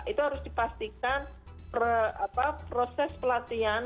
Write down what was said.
itu harus dipastikan proses pelatihan